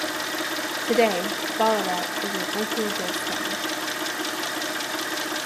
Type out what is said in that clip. Today, Ballarat is a virtual ghost town.